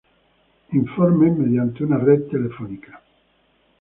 Informes mediante una red telefónica.